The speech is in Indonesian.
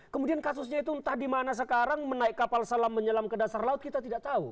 kemudian kasusnya itu entah di mana sekarang menaik kapal salam menyelam ke dasar laut kita tidak tahu